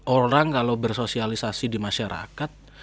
orang kalau bersosialisasi di masyarakat